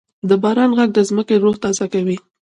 د باران ږغ د ځمکې روح تازه کوي.